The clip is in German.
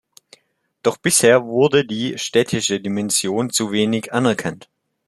Doch bisher wurde die städtische Dimension zu wenig anerkannt.